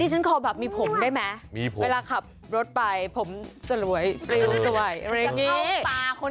นี่ฉันพอแบบมีผมได้ไม๊เวลาขับรถไปผมสล่วยเปรี้ยวสลอยอะไรอย่างนี้